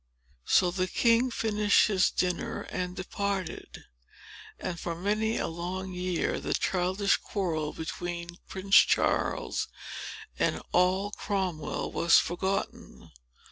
So the king finished his dinner and departed; and, for many a long year, the childish quarrel between Prince Charles and Noll Cromwell was forgotten.